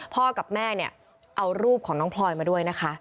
พ่อกับแม่เอารูปของน้องพลอยมาด้วย